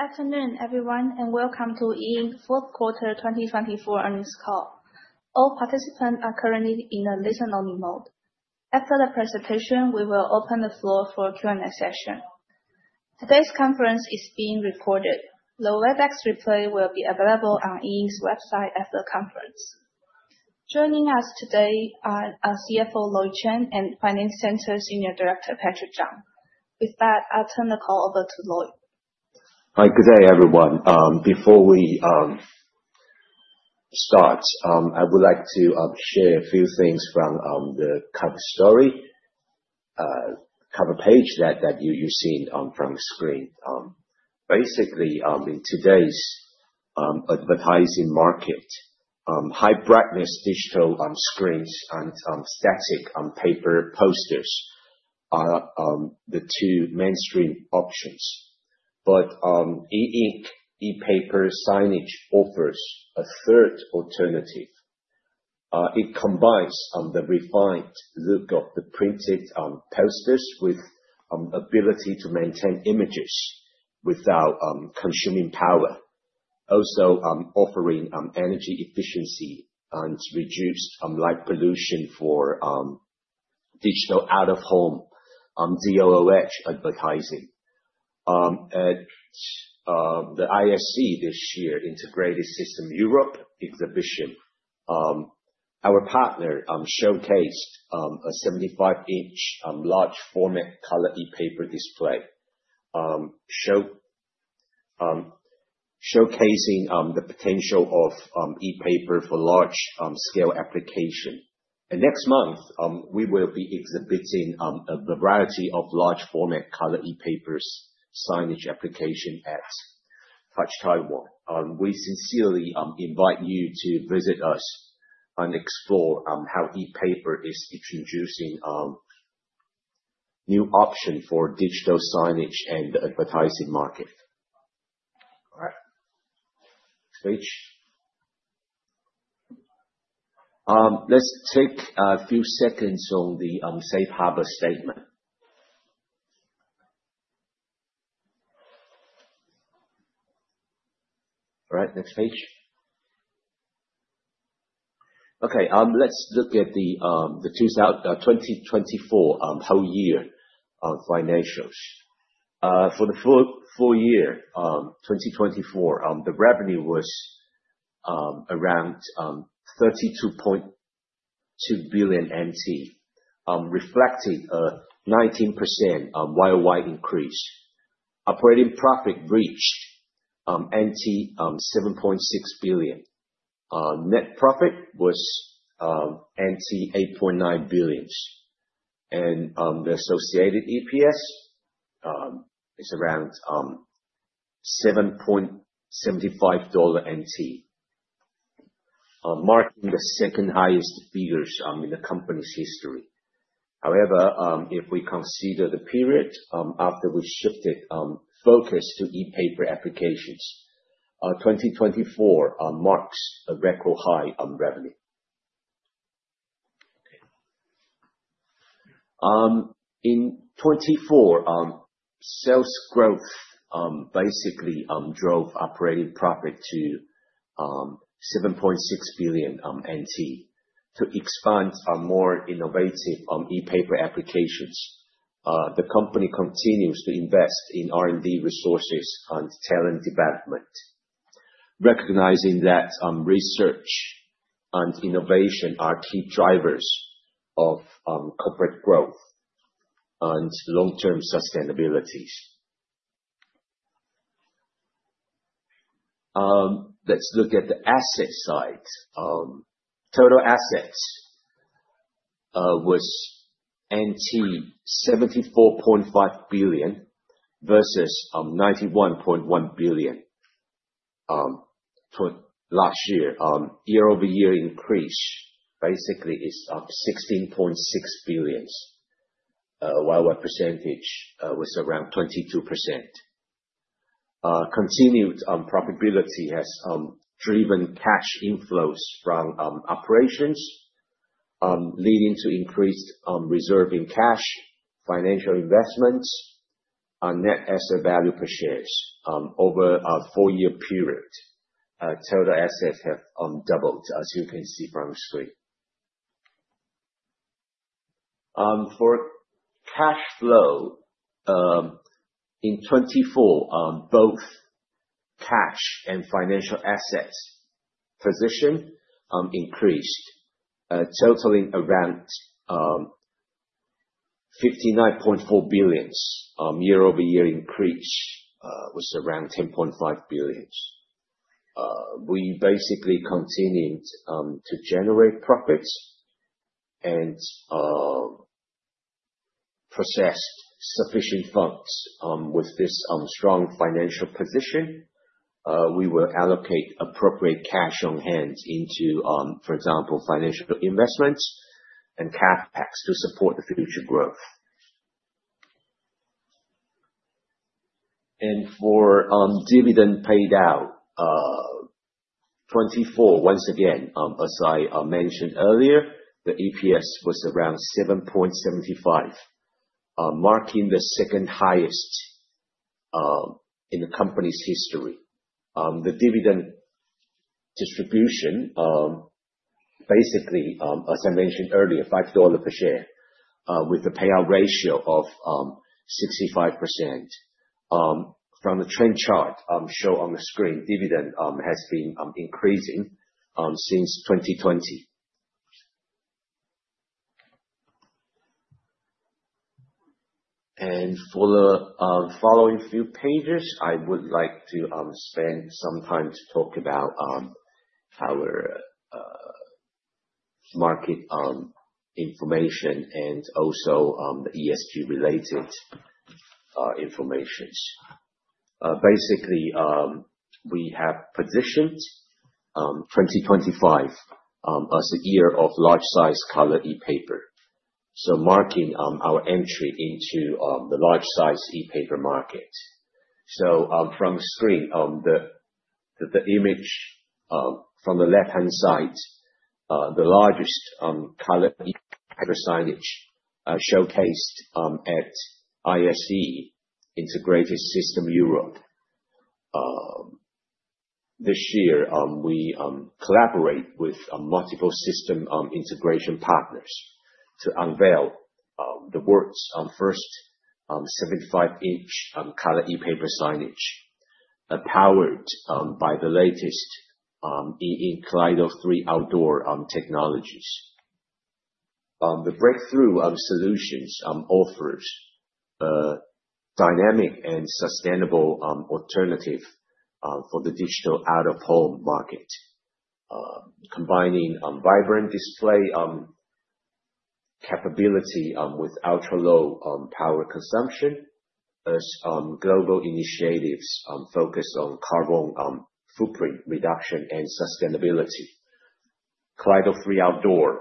Good afternoon, everyone, and Welcome to E Ink fourth quarter 2024 earnings call. All participants are currently in a listen-only mode. After the presentation, we will open the floor for a Q&A session. Today's conference is being recorded. The WebEx replay will be available on E Ink's website after the conference. Joining us today are CFO Lloyd Chen and Finance Center Senior Director Patrick Chang. With that, I'll turn the call over to Lloyd. Hi, good day, everyone. Before we start, I would like to share a few things from the cover story, cover page that you've seen from the screen. Basically, in today's advertising market, high-brightness digital screens and static paper posters are the two mainstream options. But E Ink e-paper signage offers a third alternative. It combines the refined look of the printed posters with the ability to maintain images without consuming power, also offering energy efficiency and reduced light pollution for digital out-of-home DOOH advertising. At the ISE this year, Integrated Systems Europe exhibition, our partner showcased a 75-inch large-format color e-paper display, showcasing the potential of e-paper for large-scale application. And next month, we will be exhibiting a variety of large-format color e-papers signage application at Touch Taiwan. We sincerely invite you to visit us and explore how e-paper is introducing new options for digital signage and the advertising market. All right. Switch. Let's take a few seconds on the Safe Harbor Statement. All right, next page. Okay, let's look at the 2024 whole-year financials. For the full year 2024, the revenue was around 32.2 billion NT, reflecting a 19% worldwide increase. Operating profit reached 7.6 billion. Net profit was 8.9 billion. And the associated EPS is around TWD 7.75, marking the second-highest figures in the company's history. However, if we consider the period after we shifted focus to e-paper applications, 2024 marks a record-high revenue. In 2024, sales growth basically drove operating profit to 7.6 billion NT to expand more innovative e-paper applications. The company continues to invest in R&D resources and talent development, recognizing that research and innovation are key drivers of corporate growth and long-term sustainabilities. Let's look at the asset side. Total assets was 74.5 billion versus 91.1 billion last year. Year-over-year increase basically is 16.6 billion, while our percentage was around 22%. Continued profitability has driven cash inflows from operations, leading to increased reserving cash, financial investments, and net asset value per share. Over a four-year period, total assets have doubled, as you can see from the screen. For cash flow, in 2024, both cash and financial assets position increased, totaling around 59.4 billion. Year-over-year increase was around 10.5 billion. We basically continued to generate profits and possessed sufficient funds. With this strong financial position, we will allocate appropriate cash on hand into, for example, financial investments and CapEx to support the future growth. For dividend paid out, 2024, once again, as I mentioned earlier, the EPS was around 7.75, marking the second-highest in the company's history. The dividend distribution, basically, as I mentioned earlier, NT$5 per share, with a payout ratio of 65%. From the trend chart shown on the screen, dividend has been increasing since 2020, and for the following few pages, I would like to spend some time to talk about our market information and also the ESG-related information. Basically, we have positioned 2025 as a year of large-size color e-paper, so marking our entry into the large-size e-paper market. From the screen, the image from the left-hand side, the largest color e-paper signage showcased at ISE, Integrated Systems Europe, this year we collaborate with multiple system integration partners to unveil the world's first 75-inch color e-paper signage, powered by the latest E Ink Holdings outdoor technologies. The breakthrough solutions offer dynamic and sustainable alternatives for the digital out-of-home market, combining vibrant display capability with ultra-low power consumption, as global initiatives focused on carbon footprint reduction and sustainability. Low-energy outdoor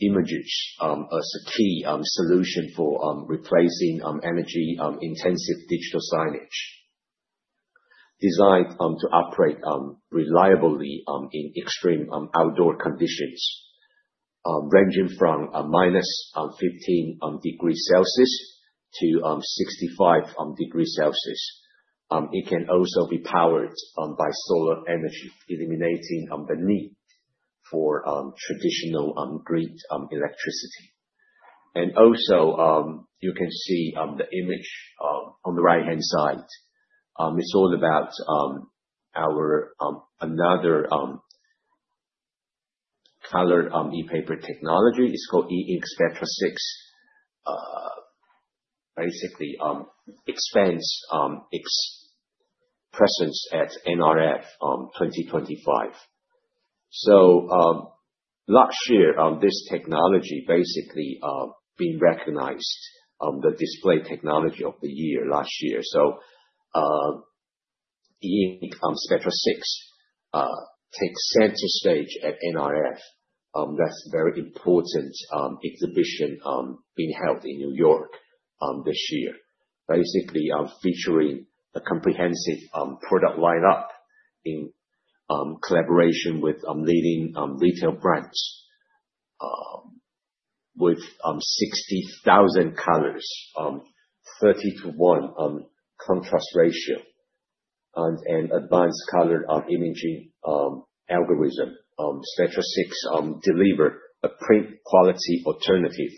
images is a key solution for replacing energy-intensive digital signage, designed to operate reliably in extreme outdoor conditions, ranging from minus 15 degrees Celsius to 65 degrees Celsius. It can also be powered by solar energy, eliminating the need for traditional grid electricity and also, you can see the image on the right-hand side. It's all about our other color e-paper technology. It's called E Ink Spectra 6, basically expands its presence at NRF 2025, so last year, this technology basically been recognized as the display technology of the year last year, so E Ink Spectra 6 takes center stage at NRF. That's a very important exhibition being held in New York this year, basically featuring a comprehensive product lineup in collaboration with leading retail brands with 60,000 colors, 30-to-1 contrast ratio, and advanced color imaging algorithm. Spectra 6 delivers a print quality alternative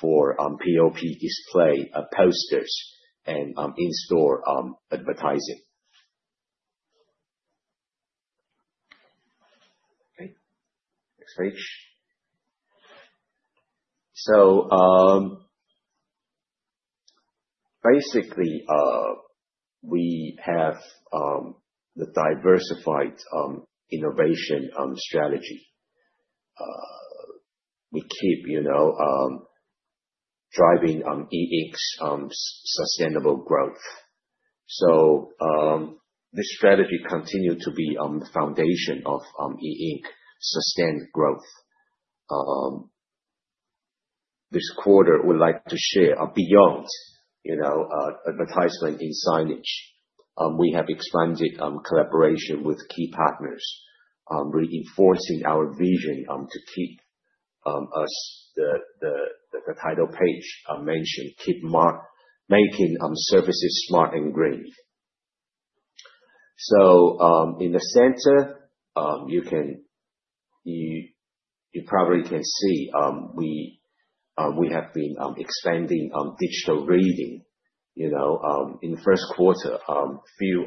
for POP display posters and in-store advertising. Okay, next page. So basically, we have the diversified innovation strategy. We keep driving E Ink's sustainable growth. So this strategy continues to be the foundation of E Ink's sustained growth. This quarter, we'd like to share beyond advertisement and signage. We have expanded collaboration with key partners, reinforcing our vision to keep the title page mentioned, keep making services smart and green. So in the center, you probably can see we have been expanding digital reading. In the first quarter, few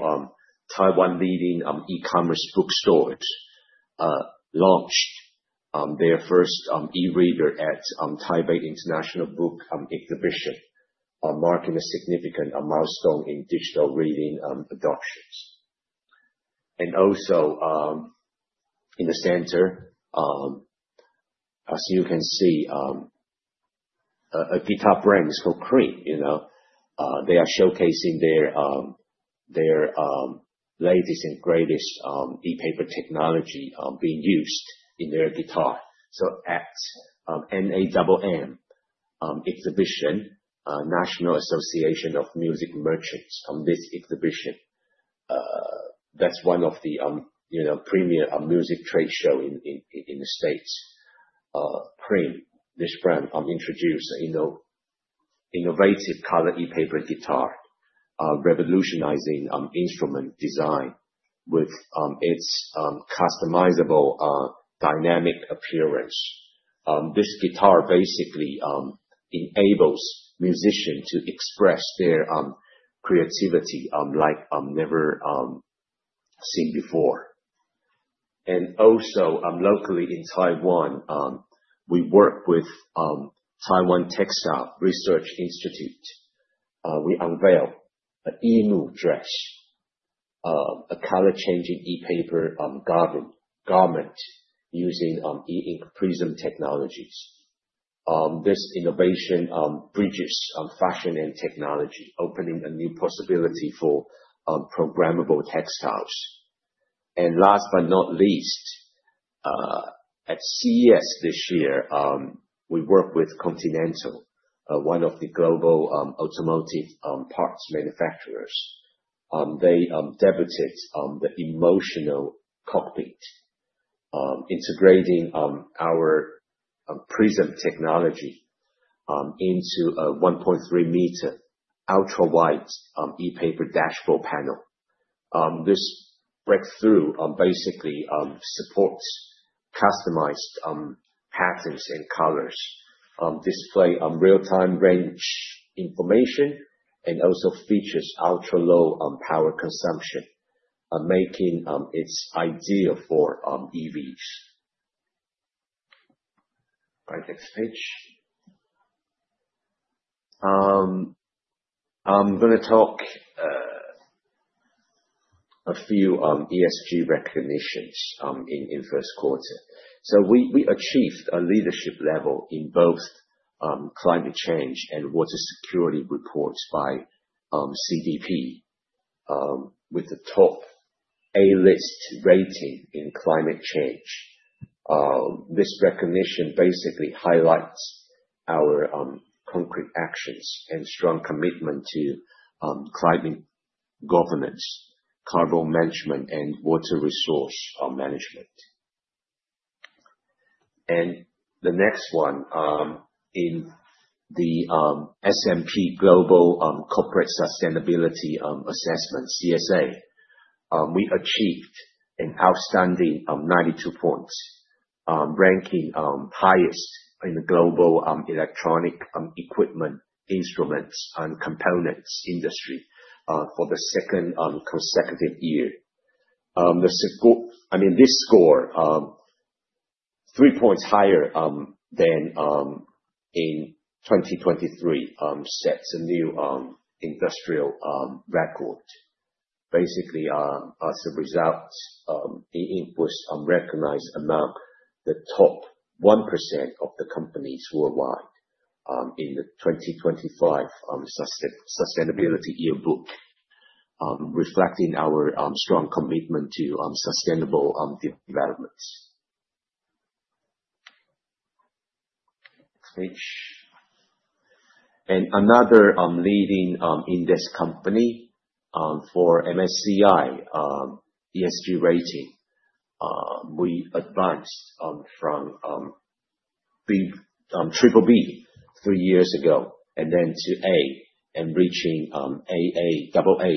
Taiwan-leading e-commerce bookstores launched their first e-reader at Taipei International Book Exhibition, marking a significant milestone in digital reading adoption. And also in the center, as you can see, a guitar brand is called Cream Guitars. They are showcasing their latest and greatest e-paper technology being used in their guitar. At NAMM Exhibition, National Association of Music Merchants, this exhibition, that's one of the premier music trade shows in the States. Cream Guitars, this brand introduced innovative color e-paper guitar, revolutionizing instrument design with its customizable dynamic appearance. This guitar basically enables musicians to express their creativity like never seen before. Also locally in Taiwan, we work with Taiwan Textile Research Institute. We unveil an e-Mood dress, a color-changing e-paper garment using E Ink Prism technologies. This innovation bridges fashion and technology, opening a new possibility for programmable textiles. Last but not least, at CES this year, we work with Continental, one of the global automotive parts manufacturers. They debuted the Emotional Cockpit, integrating our Prism technology into a 1.3-meter ultra-wide e-paper dashboard panel. This breakthrough basically supports customized patterns and colors, display real-time range information, and also features ultra-low power consumption, making it ideal for EVs. All right, next page. I'm going to talk a few ESG recognitions in first quarter. So we achieved a leadership level in both climate change and water security reports by CDP, with the top A-list rating in climate change. This recognition basically highlights our concrete actions and strong commitment to climate governance, carbon management, and water resource management. And the next one, in the S&P Global Corporate Sustainability Assessment, CSA, we achieved an outstanding 92 points, ranking highest in the global electronic equipment instruments and components industry for the second consecutive year. I mean, this score, three points higher than in 2023, sets a new industrial record. Basically, as a result, E Ink was recognized among the top 1% of the companies worldwide in the 2025 Sustainability Yearbook, reflecting our strong commitment to sustainable developments. Next page. And another leading index company for MSCI ESG rating. We advanced from being Triple B three years ago and then to A and reaching AA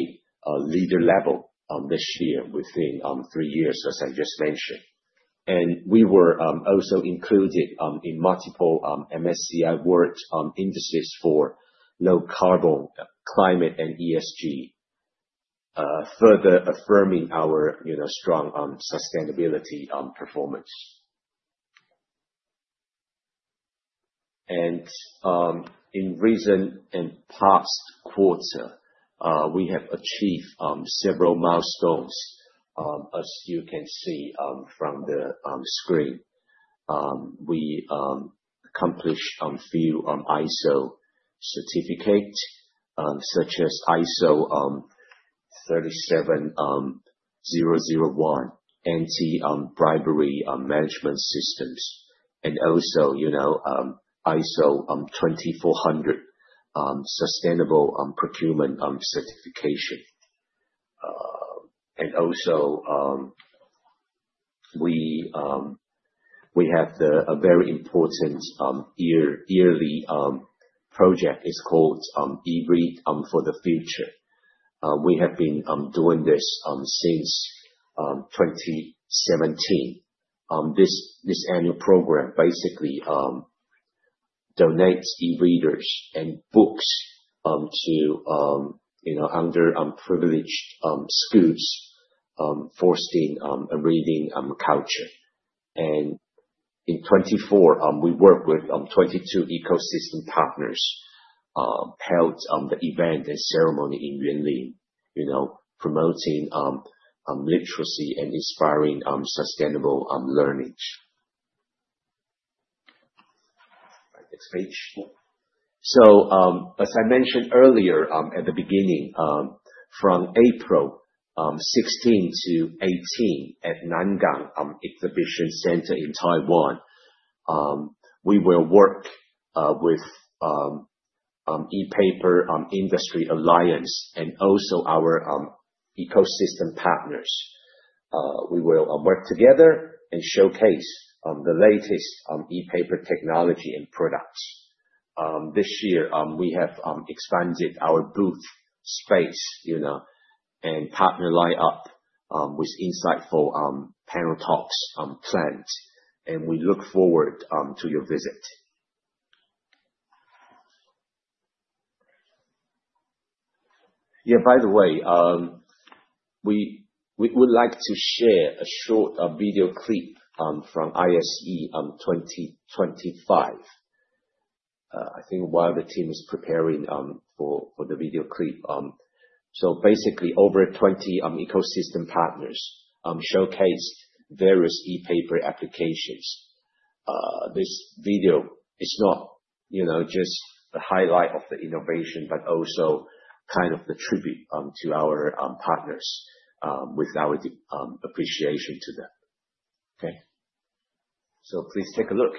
leader level this year within three years, as I just mentioned, and we were also included in multiple MSCI World Indices for low carbon, climate, and ESG, further affirming our strong sustainability performance. In recent and past quarters, we have achieved several milestones, as you can see from the screen. We accomplished a few ISO certificates, such as ISO 37001, Anti-Bribery Management Systems, and also ISO 20400, Sustainable Procurement Certification. We also have a very important yearly project. It's called e-Read for the Future. We have been doing this since 2017. This annual program basically donates e-readers and books to underprivileged schools fostering a reading culture. In 2024, we worked with 22 ecosystem partners, held the event and ceremony in Yunlin, promoting literacy and inspiring sustainable learning. All right, next page. So as I mentioned earlier at the beginning, from April 16 to 18 at Nangang Exhibition Center in Taiwan, we will work with E-Paper Industry Alliance and also our ecosystem partners. We will work together and showcase the latest e-paper technology and products. This year, we have expanded our booth space and partner lineup with insightful panel talks planned. And we look forward to your visit. Yeah, by the way, we would like to share a short video clip from ISE 2025. I think while the team is preparing for the video clip. So basically, over 20 ecosystem partners showcased various e-paper applications. This video is not just a highlight of the innovation, but also kind of a tribute to our partners with our appreciation to them. Okay. So please take a look.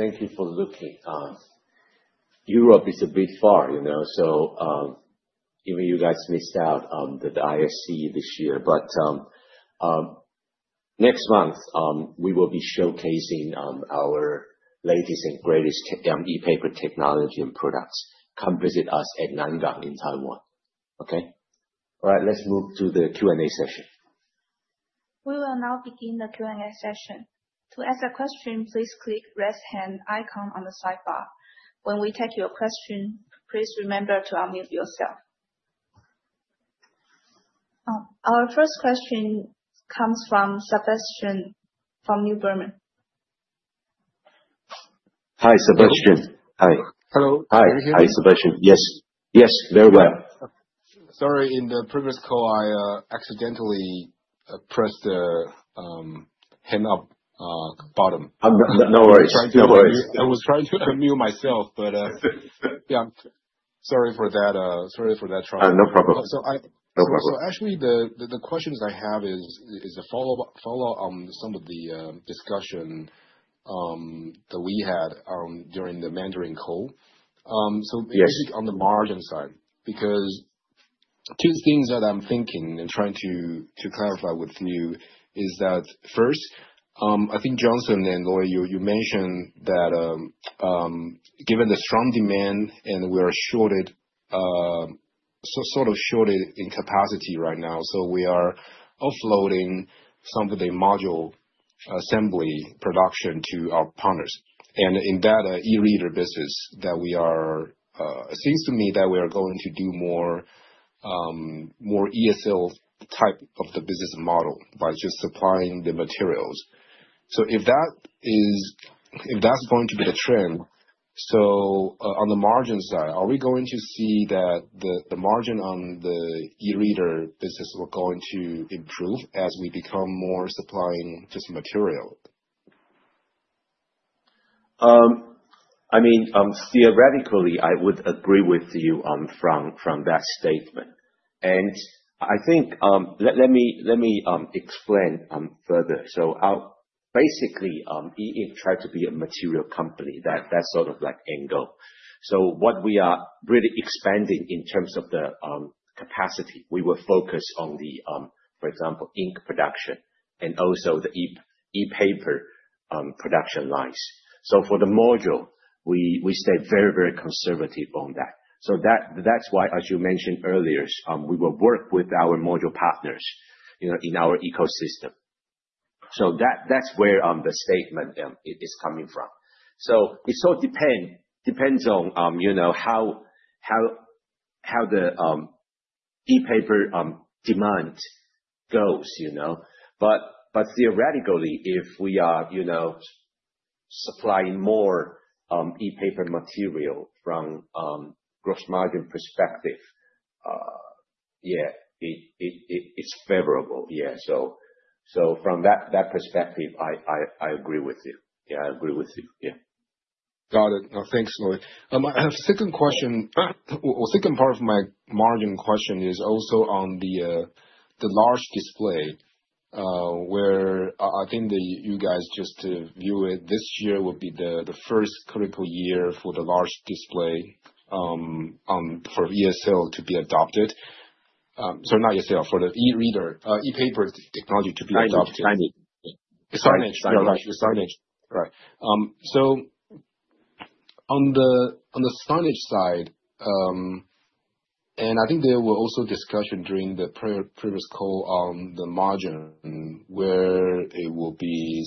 All right. Thank you for looking. Europe is a bit far. So even you guys missed out on the ISE this year. But next month, we will be showcasing our latest and greatest e-paper technology and products. Come visit us at Nangang in Taiwan. Okay? All right. Let's move to the Q&A session. We will now begin the Q&A session. To ask a question, please click the raise hand icon on the sidebar. When we take your question, please remember to unmute yourself. Our first question comes from Sebastian from Neuberger Berman. Hi, Sebastian. Hi. Hello. Hi. Can you hear me? Hi, Sebastian. Yes. Yes. Very well. Sorry. In the previous call, I accidentally pressed the hand up button. No worries. No worries. I was trying to unmute myself, but yeah. Sorry for that. Sorry for that trouble. No problem. So actually, the questions I have is a follow-up on some of the discussion that we had during the management call. So basically on the margin side, because two things that I'm thinking and trying to clarify with you is that first, I think Johnson and Lloyd, you mentioned that given the strong demand and we are sort of short in capacity right now, so we are offloading some of the module assembly production to our partners. And in that e-reader business that we are, it seems to me that we are going to do more ESL type of the business model by just supplying the materials. So if that's going to be the trend, so on the margin side, are we going to see that the margin on the e-reader business will going to improve as we become more supplying just material? I mean, theoretically, I would agree with you from that statement. And I think let me explain further. So basically, E Ink tried to be a material company, that sort of angle. So what we are really expanding in terms of the capacity, we will focus on the, for example, ink production and also the e-paper production lines. So for the module, we stay very, very conservative on that. So that's why, as you mentioned earlier, we will work with our module partners in our ecosystem. So that's where the statement is coming from. So it all depends on how the e-paper demand goes. But theoretically, if we are supplying more e-paper material from gross margin perspective, yeah, it's favorable. Yeah. So from that perspective, I agree with you. Yeah, I agree with you. Yeah. Got it. Thanks, Lloyd. Second question or second part of my margin question is also on the large display where I think you guys just view it. This year will be the first critical year for the large display for ESL to be adopted. Sorry, not ESL, for the e-reader, e-paper technology to be adopted. Signage. Signage. Right. Signage. Right. So on the signage side, and I think there were also discussions during the previous call on the margin where it will be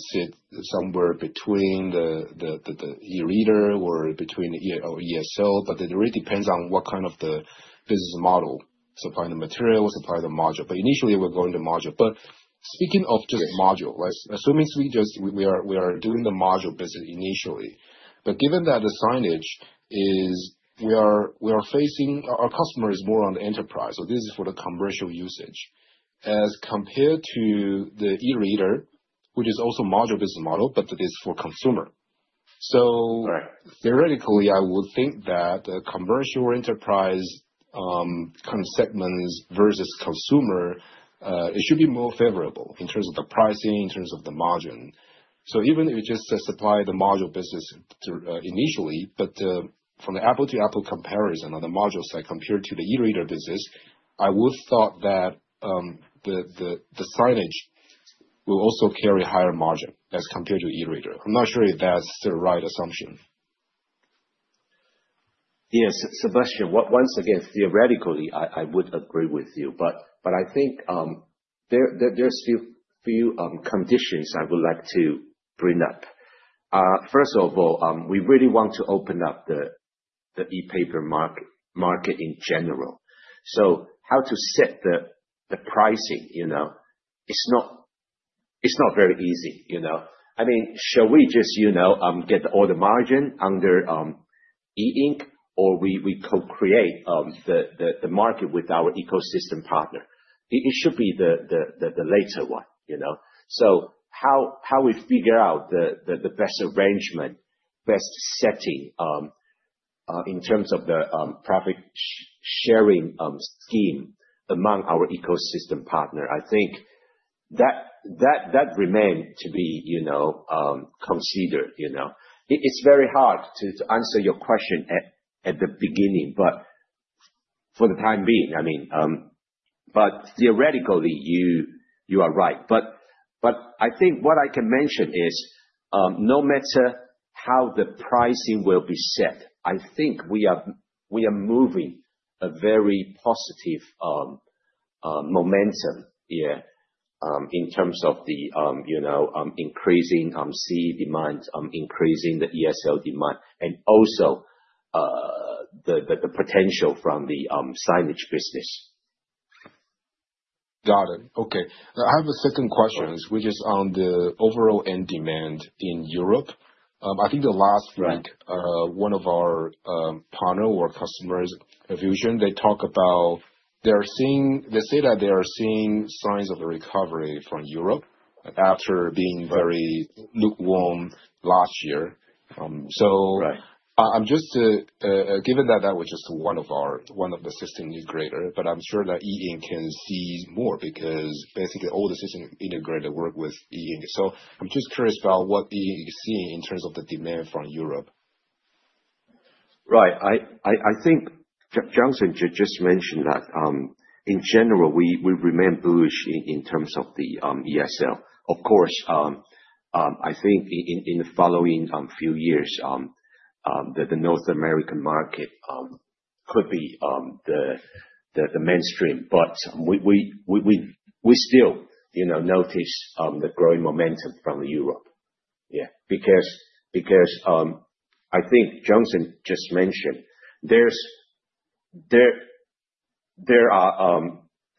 somewhere between the e-reader or between the ESL, but it really depends on what kind of the business model. Supply the material, supply the module. But initially, we're going to module. But speaking of just module, assuming we are doing the module business initially, but given that the signage is we are facing our customers more on the enterprise. So this is for the commercial usage as compared to the e-reader, which is also a module business model, but it's for consumer. So theoretically, I would think that the margin for the commercial enterprise kind of segments versus consumer, it should be more favorable in terms of the pricing, in terms of the margin. So even if you just supply the module business initially, but from the apple-to-apple comparison on the module side compared to the e-reader business, I would thought that the signage will also carry a higher margin as compared to e-reader. I'm not sure if that's the right assumption. Yes. Sebastian, once again, theoretically, I would agree with you. But I think there are still a few conditions I would like to bring up. First of all, we really want to open up the e-paper market in general. So how to set the pricing, it's not very easy. I mean, shall we just get all the margin under e-ink, or we co-create the market with our ecosystem partner? It should be the latter one. So how we figure out the best arrangement, best setting in terms of the profit-sharing scheme among our ecosystem partner, I think that remains to be considered. It's very hard to answer your question at the beginning, but for the time being, I mean. But theoretically, you are right. But I think what I can mention is no matter how the pricing will be set, I think we are moving a very positive momentum, yeah, in terms of the increasing CE demand, increasing the ESL demand, and also the potential from the signage business. Got it. Okay. I have a second question, which is on the overall end demand in Europe. I think the last week, one of our partner or customers, Vusion, they say that they are seeing signs of a recovery from Europe after being very lukewarm last year. So I'm just given that that was just one of the system integrators, but I'm sure that E Ink can see more because basically all the system integrators work with E Ink. So I'm just curious about what E Ink is seeing in terms of the demand from Europe. Right. I think Johnson just mentioned that in general, we remain bullish in terms of the ESL. Of course, I think in the following few years, the North American market could be the mainstream, but we still notice the growing momentum from Europe. Yeah. Because I think Johnson just mentioned there are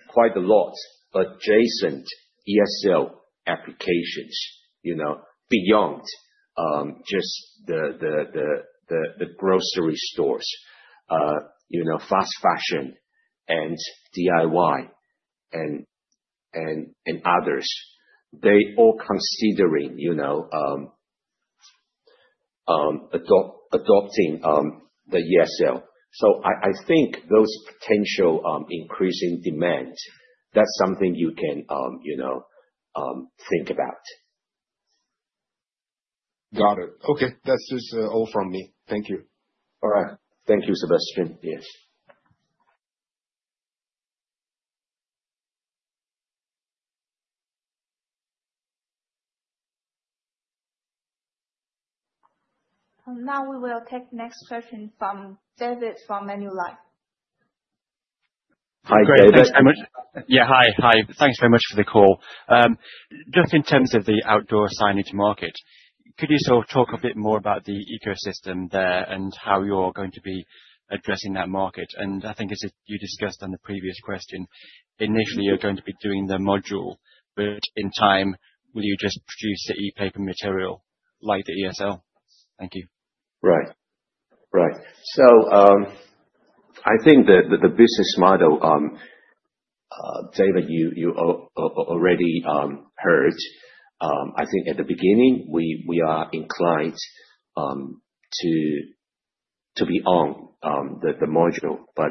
quite a lot of adjacent ESL applications beyond just the grocery stores, fast fashion, and DIY, and others. They all considering adopting the ESL. So I think those potential increasing demands, that's something you can think about. Got it. Okay. That's just all from me. Thank you. All right. Thank you, Sebastian. Yes. Now we will take the next question from David from Manulife. Hi, David. Yeah. Hi. Hi. Thanks very much for the call. Just in terms of the outdoor signage market, could you talk a bit more about the ecosystem there and how you're going to be addressing that market? And I think as you discussed on the previous question, initially, you're going to be doing the module, but in time, will you just produce the e-paper material like the ESL? Thank you. Right. Right. So I think that the business model, David, you already heard, I think at the beginning, we are inclined to be on the module. But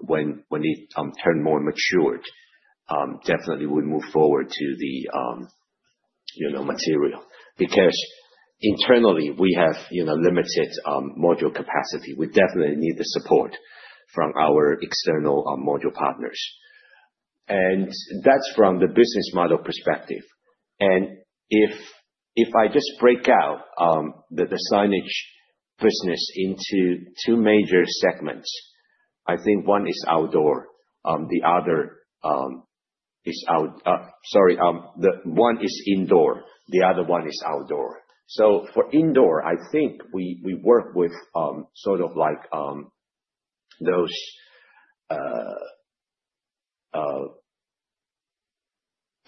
when it turned more matured, definitely we move forward to the material. Because internally, we have limited module capacity. We definitely need the support from our external module partners. And that's from the business model perspective. And if I just break out the signage business into two major segments, I think one is outdoor. The other is out, sorry, one is indoor. The other one is outdoor. So for indoor, I think we work with sort of like those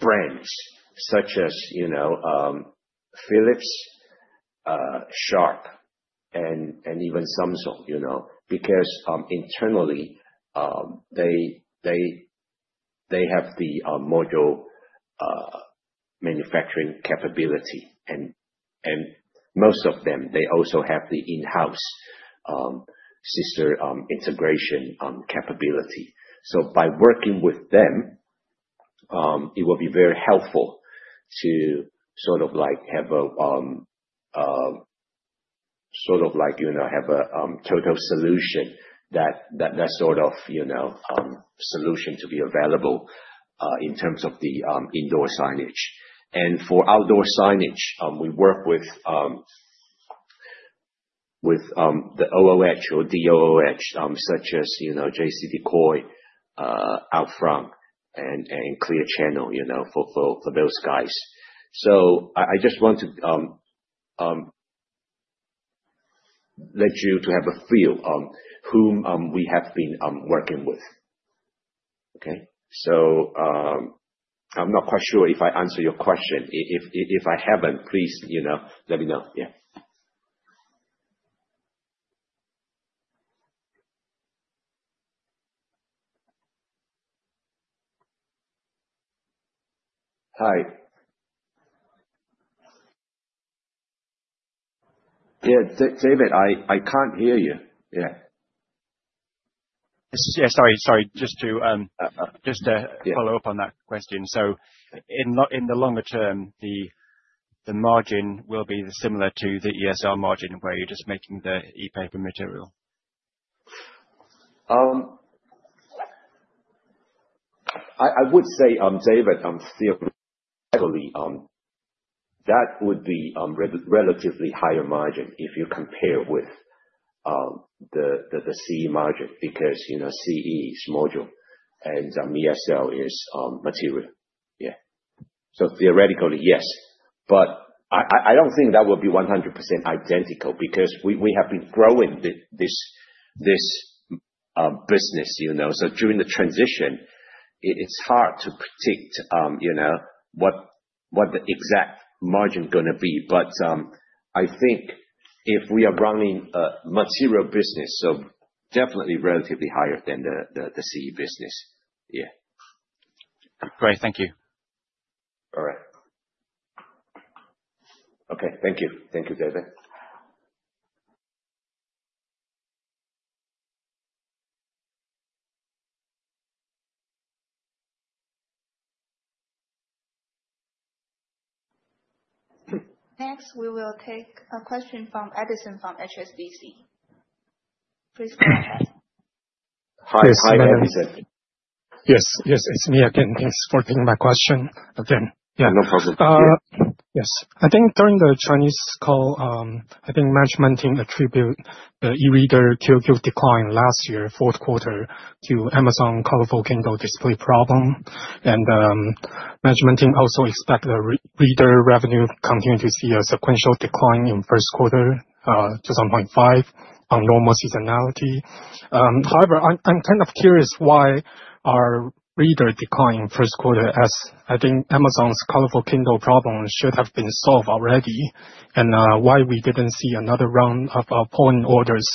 brands such as Philips, Sharp, and even Samsung. Because internally, they have the module manufacturing capability. And most of them, they also have the in-house sister integration capability. So by working with them, it will be very helpful to sort of have a total solution, that sort of solution to be available in terms of the indoor signage. And for outdoor signage, we work with the OOH or DOOH such as JCDecaux, OUTFRONT, and Clear Channel for those guys. So I just want to let you to have a feel on whom we have been working with. Okay? So I'm not quite sure if I answered your question. If I haven't, please let me know. Yeah. Hi. Yeah. David, I can't hear you. Yeah. Yeah. Sorry. Just to follow up on that question. So in the longer term, the margin will be similar to the ESL margin where you're just making the e-paper material? I would say, David, I'm still. That would be relatively higher margin if you compare with the CE margin because CE is module and ESL is material. Yeah. So theoretically, yes. But I don't think that will be 100% identical because we have been growing this business. So during the transition, it's hard to predict what the exact margin is going to be. But I think if we are running a material business, so definitely relatively higher than the CE business. Yeah. Great. Thank you. All right. Okay. Thank you. Thank you, David. Next, we will take a question from Edison from HSBC. Please go ahead. Hi, Edison. Yes. Yes. It's me again. Thanks for taking my question again. Yeah. No problem. Yes. I think during the Chinese call, I think management team attributed the e-reader to decline last year, fourth quarter, to Amazon's Colorful Kindle display problem. Management team also expects the reader revenue continuing to see a sequential decline in first quarter to 1.5 on normal seasonality. However, I'm kind of curious why our reader decline in first quarter, as I think Amazon's Colorful Kindle problem should have been solved already, and why we didn't see another round of pull-in orders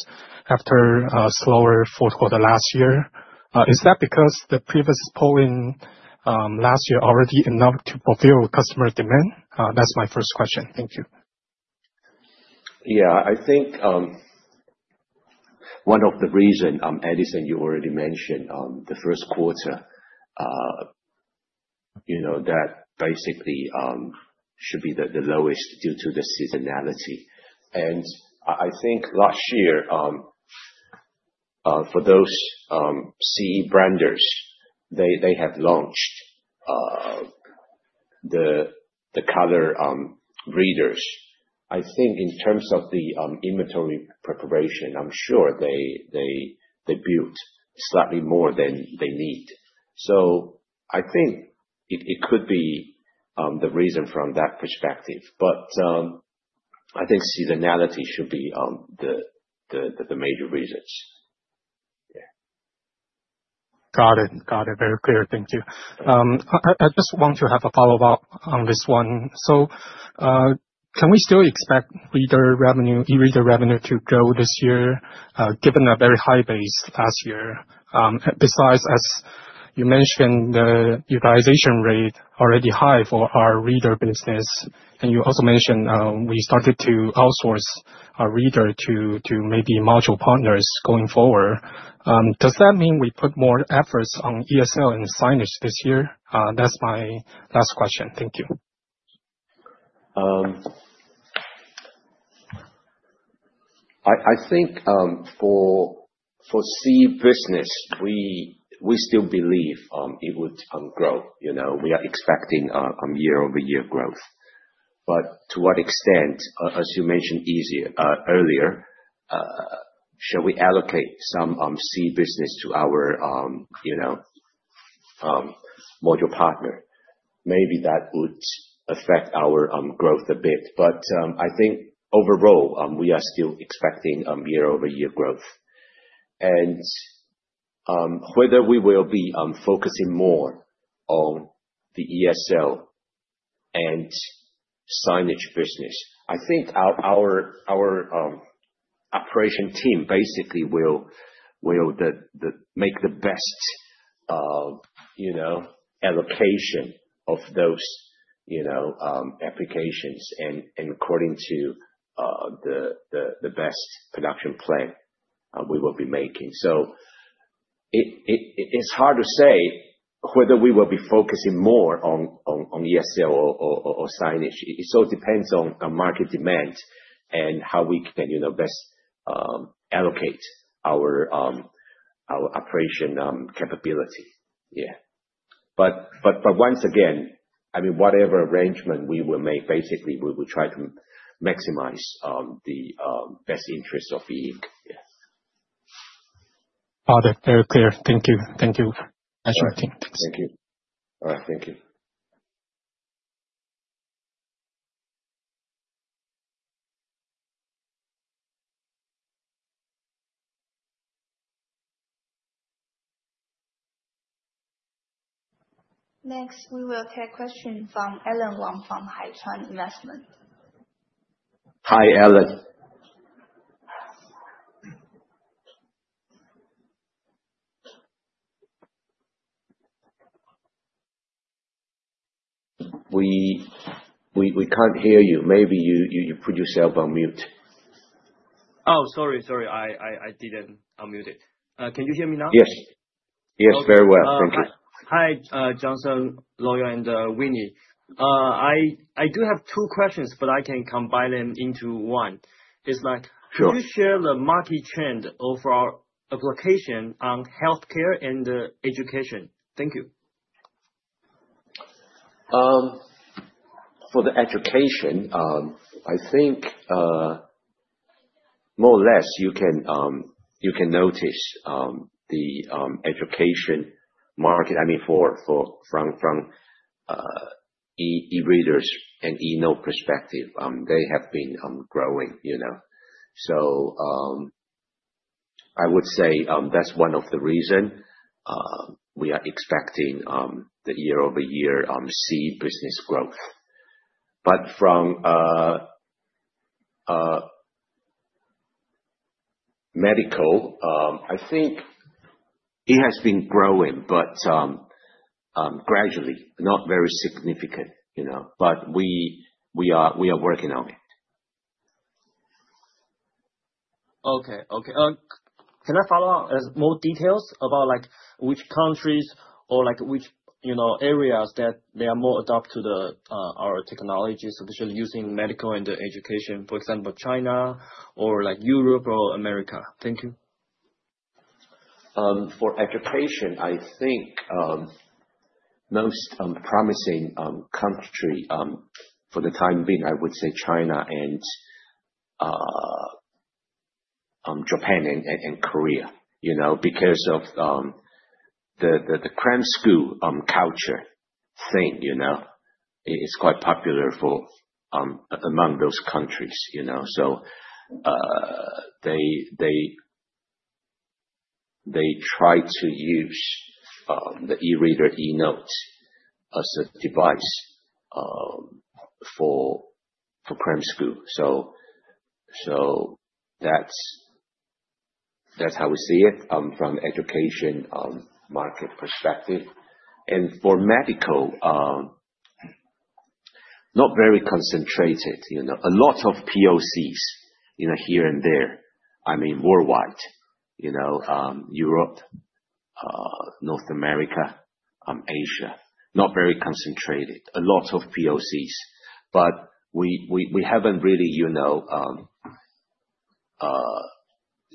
after a slower fourth quarter last year. Is that because the previous pull-in last year was already enough to fulfill customer demand? That's my first question. Thank you. Yeah. I think one of the reasons, Edison, you already mentioned the first quarter, that basically should be the lowest due to the seasonality. And I think last year, for those CE branders, they have launched the color readers. I think in terms of the inventory preparation, I'm sure they built slightly more than they need. So I think it could be the reason from that perspective. But I think seasonality should be the major reasons. Yeah. Got it. Got it. Very clear. Thank you. I just want to have a follow-up on this one. So can we still expect e-reader revenue to grow this year given a very high base last year? Besides, as you mentioned, the utilization rate is already high for our reader business. And you also mentioned we started to outsource our reader to maybe module partners going forward. Does that mean we put more efforts on ESL and signage this year? That's my last question. Thank you. I think for CE business, we still believe it would grow. We are expecting year-over-year growth. But to what extent, as you mentioned earlier, shall we allocate some CE business to our module partner? Maybe that would affect our growth a bit. But I think overall, we are still expecting year-over-year growth. And whether we will be focusing more on the ESL and signage business, I think our operation team basically will make the best allocation of those applications and according to the best production plan we will be making. So it's hard to say whether we will be focusing more on ESL or signage. It all depends on market demand and how we can best allocate our operation capability. Yeah. But once again, I mean, whatever arrangement we will make, basically, we will try to maximize the best interests of E Ink. Yeah. Got it. Very clear. Thank you. Thank you, Management Team. Thanks. Thank you. All right. Thank you. Next, we will take a question from Alan Wong from Hatsune Restaurant. Hi, Alan. We can't hear you. Maybe you put yourself on mute. Oh, sorry. Sorry. I didn't unmute it. Can you hear me now? Yes. Yes. Very well. Thank you. Hi, Johnson, Lloyd, and Winnie. I do have two questions, but I can combine them into one. It's like, could you share the market trend of our application on healthcare and education? Thank you. For the education, I think more or less you can notice the education market, I mean, from E-readers and E-note perspective, they have been growing. So I would say that's one of the reasons we are expecting the year-over-year CE business growth. But from medical, I think it has been growing, but gradually, not very significant. But we are working on it. Can I follow up with more details about which countries or which areas that they are more adopted to our technology, especially using medical and education, for example, China or Europe or America? Thank you. For education, I think most promising country for the time being, I would say China and Japan and Korea. Because of the cram school culture thing, it's quite popular among those countries. So they try to use the e-reader e-note as a device for cram school. So that's how we see it from the education market perspective, and for medical, not very concentrated. A lot of POCs here and there, I mean, worldwide, Europe, North America, Asia. Not very concentrated. A lot of POCs. But we haven't really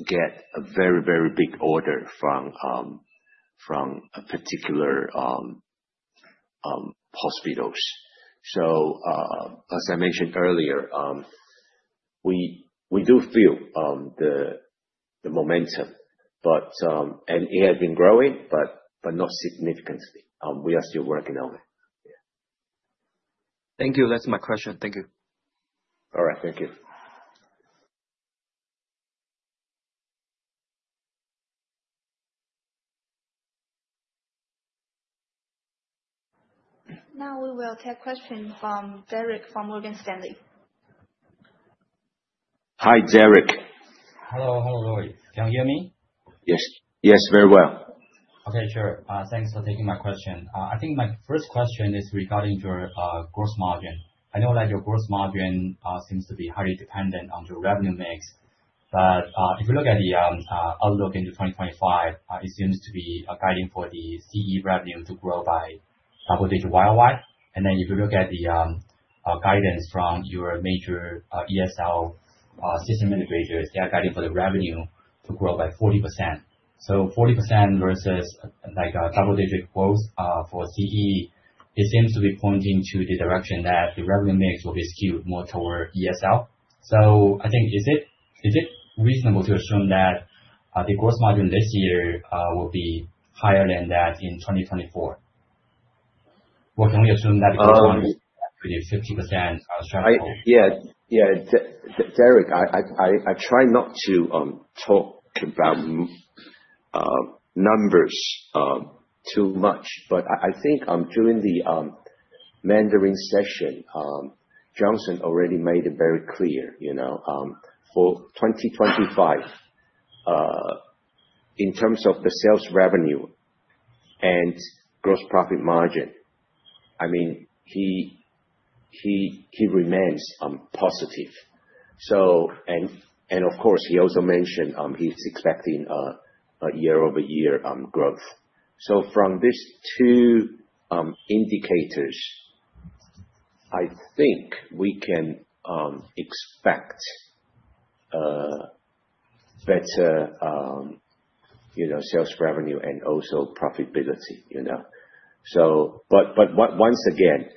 get a very, very big order from particular hospitals. So as I mentioned earlier, we do feel the momentum, and it has been growing, but not significantly. We are still working on it. Yeah. Thank you. That's my question. Thank you. All right. Thank you. Now we will take a question from Derrick from Morgan Stanley. Hi, Derrick. Hello. Hello, Lloyd. Can you hear me? Yes. Yes. Very well. Okay. Sure. Thanks for taking my question. I think my first question is regarding your gross margin. I know that your gross margin seems to be highly dependent on your revenue mix. But if you look at the outlook into 2025, it seems to be guiding for the CE revenue to grow by double-digit, while. And then if you look at the guidance from your major ESL system integrators, they are guiding for the revenue to grow by 40%. So 40% versus double-digit growth for CE, it seems to be pointing to the direction that the revenue mix will be skewed more toward ESL. So I think, is it reasonable to assume that the gross margin this year will be higher than that in 2024? Or can we assume that the gross margin is 50% stratified? Yeah. Yeah. Derek, I try not to talk about numbers too much. But I think during the Mandarin session, Johnson already made it very clear. For 2025, in terms of the sales revenue and gross profit margin, I mean, he remains positive. And of course, he also mentioned he's expecting a year-over-year growth. So from these two indicators, I think we can expect better sales revenue and also profitability. But once again,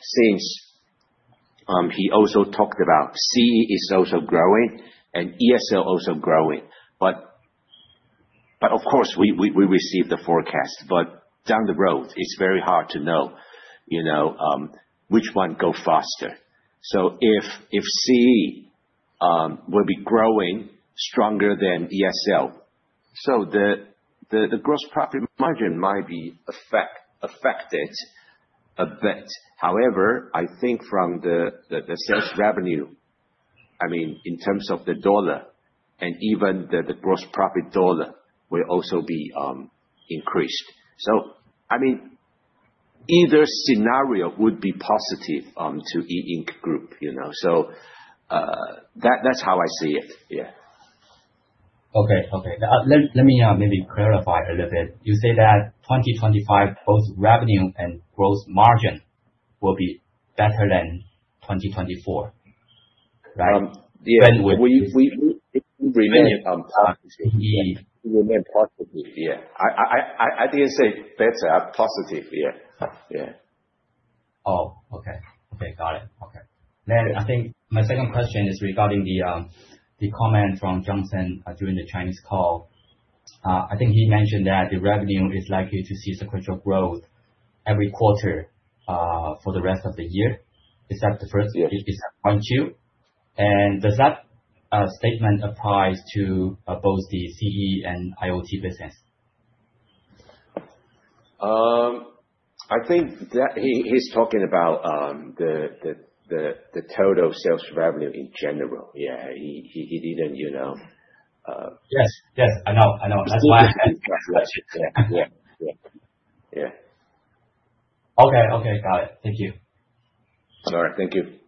since he also talked about CE is also growing and ESL also growing. But of course, we received the forecast. But down the road, it's very hard to know which one goes faster. So if CE will be growing stronger than ESL, so the gross profit margin might be affected a bit. However, I think from the sales revenue, I mean, in terms of the dollar and even the gross profit dollar, will also be increased. So I mean, either scenario would be positive to E Ink Group. So that's how I see it. Yeah. Okay. Let me maybe clarify a little bit. You say that 2025, both revenue and gross margin will be better than 2024, right? Yeah. We remain positive. Yeah. I didn't say better. Positive. Yeah. Oh, okay. Okay. Got it. Okay. Then I think my second question is regarding the comment from Johnson during the Chinese call. I think he mentioned that the revenue is likely to see sequential growth every quarter for the rest of the year, except the first, except 2Q. And does that statement apply to both the CE and IoT business? I think that he's talking about the total sales revenue in general. Yeah. He didn't. Yes. I know. That's why I asked that question. Yeah. Okay. Got it. Thank you. All right. Thank you.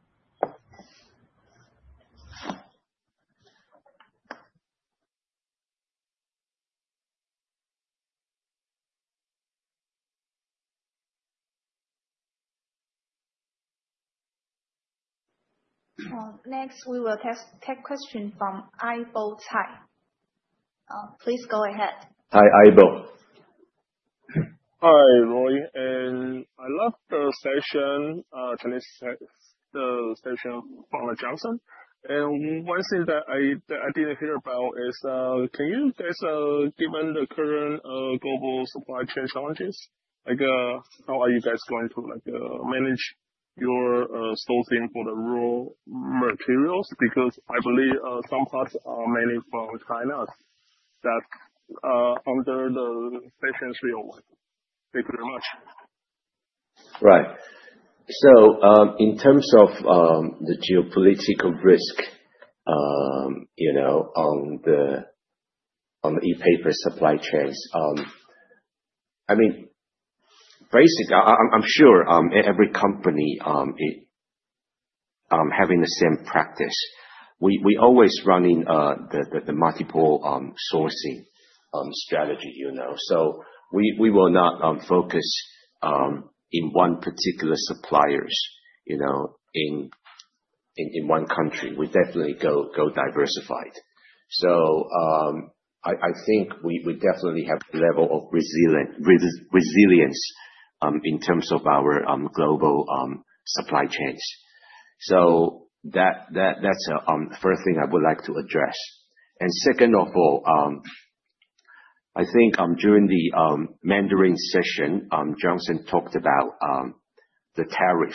Next, we will take a question from Albert Tsai. Please go ahead. Hi, Albert. Hi, Lloyd. I love the session, the session from Johnson. One thing that I didn't hear about is, can you guys given the current global supply chain challenges, how are you guys going to manage your sourcing for the raw materials? Because I believe some parts are mainly from China. That's the real question. Thank you very much. Right. So in terms of the geopolitical risk on the e-paper supply chains, I mean, basically, I'm sure every company is having the same practice. We always run in the multiple sourcing strategy. So we will not focus on one particular supplier in one country. We definitely go diversified. So I think we definitely have a level of resilience in terms of our global supply chains. So that's the first thing I would like to address. And second of all, I think during the Mandarin session, Johnson talked about the tariff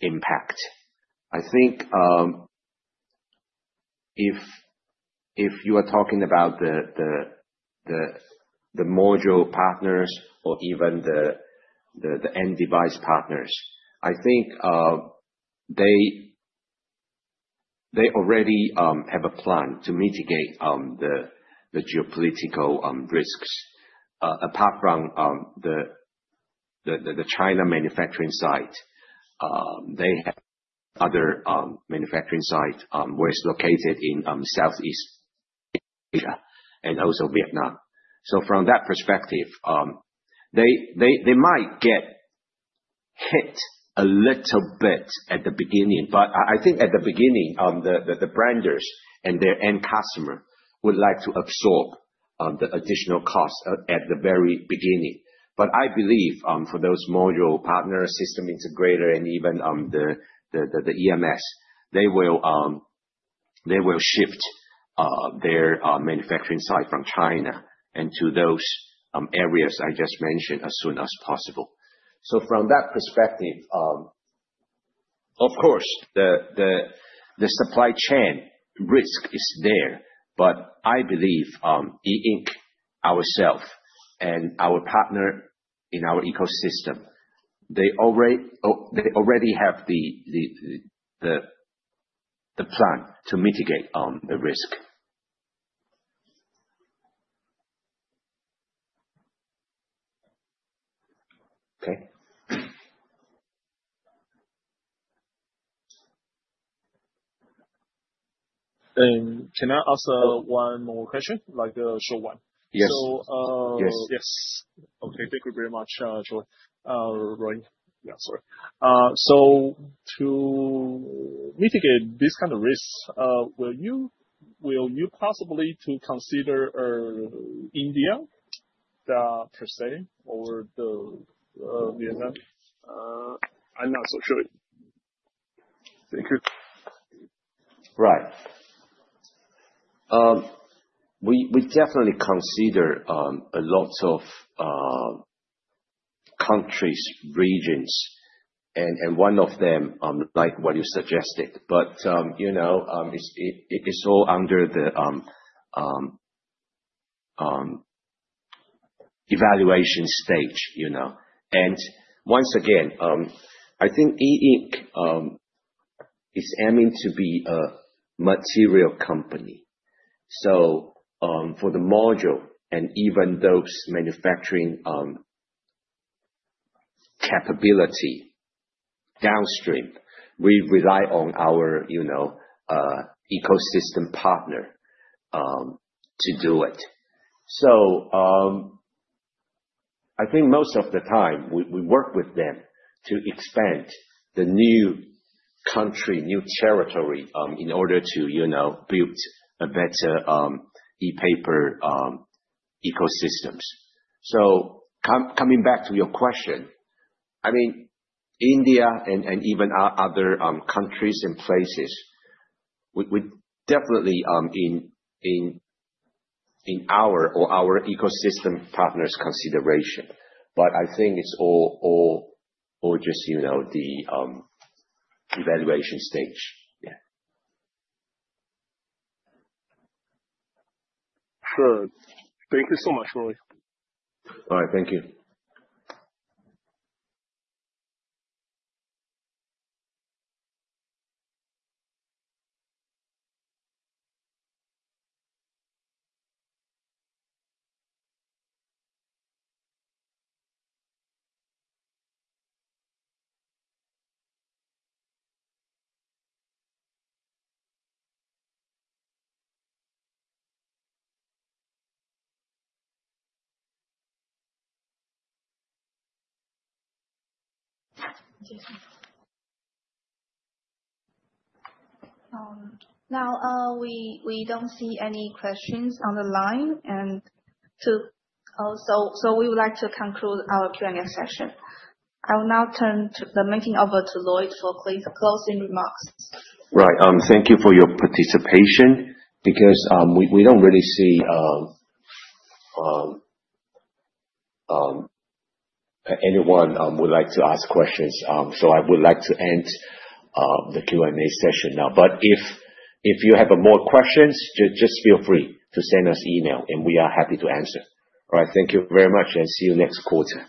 impact. I think if you are talking about the module partners or even the end device partners, I think they already have a plan to mitigate the geopolitical risks. Apart from the China manufacturing site, they have other manufacturing sites where it's located in Southeast Asia and also Vietnam. So from that perspective, they might get hit a little bit at the beginning. But I think at the beginning, the branders and their end customers would like to absorb the additional cost at the very beginning. But I believe for those module partners, system integrator, and even the EMS, they will shift their manufacturing site from China and to those areas I just mentioned as soon as possible. So from that perspective, of course, the supply chain risk is there. But I believe E Ink ourselves and our partner in our ecosystem, they already have the plan to mitigate the risk. Okay. And can I ask one more question? Short one. Yes. So yes. Okay. Thank you very much, Lloyd. Sorry. So to mitigate this kind of risk, will you possibly consider India per se or Vietnam? I'm not so sure. Thank you. Right. We definitely consider a lot of countries, regions, and one of them like what you suggested. But it's all under the evaluation stage. And once again, I think E Ink is aiming to be a material company. So for the module and even those manufacturing capability downstream, we rely on our ecosystem partner to do it. So I think most of the time, we work with them to expand the new country, new territory in order to build a better e-paper ecosystems. So coming back to your question, I mean, India and even other countries and places would definitely be in our or our ecosystem partners' consideration. But I think it's all just the evaluation stage. Yeah. Sure. Thank you so much, Lloyd. All right. Thank you. Thank you. Now, we don't see any questions on the line. And so we would like to conclude our Q&A session. I will now turn the meeting over to Lloyd for closing remarks. Right. Thank you for your participation because we don't really see anyone who would like to ask questions. So I would like to end the Q&A session now. But if you have more questions, just feel free to send us an email, and we are happy to answer. All right. Thank you very much, and see you next quarter.